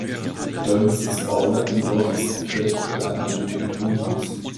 Bedeutendstes Bauwerk im Dorf ist die Kirche des heiligen Antonius.